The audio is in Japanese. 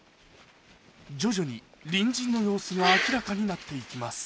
徐々に隣人の様子が明らかになっていきます